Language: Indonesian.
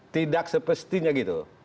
tidak sepestinya gitu